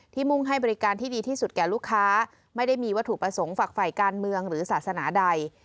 มุ่งให้บริการที่ดีที่สุดแก่ลูกค้าไม่ได้มีวัตถุประสงค์ฝักฝ่ายการเมืองหรือศาสนาใด